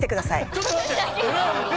ちょっと待って！